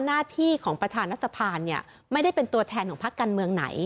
หน้าที่ของประธานรัฐสภาเนี่ยไม่ได้เป็นตัวแทนของพักการเมืองไหน